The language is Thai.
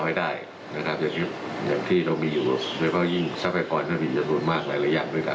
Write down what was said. อย่างที่เรามีอยู่ด้วยเพราะยิ่งทรัพยากรหน้าผิดสนุนมากหลายอย่างด้วยกัน